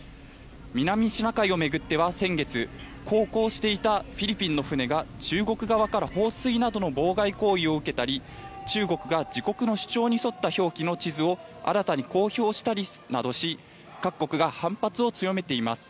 南シナ海を巡っては、先月航行していたフィリピンの船が中国側から放水などの妨害行為を受けたり中国が自国の主張に沿った表記の地図を新たに公表したりなどし各国が反発を強めています。